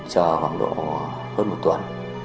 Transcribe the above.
chờ khoảng độ hơn một tuần